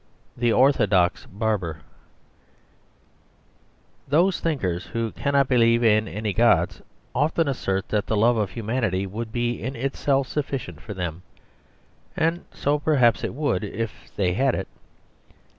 The Orthodox Barber Those thinkers who cannot believe in any gods often assert that the love of humanity would be in itself sufficient for them; and so, perhaps, it would, if they had it.